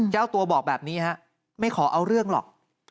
เจ้าตัวบอกแบบนี้ฮะไม่ขอเอาเรื่องหรอก